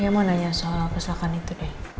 ya mau nanya soal kecelakaan itu deh